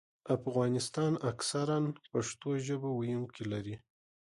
افغانستان اکثراً پښتو ژبه ویونکي لري.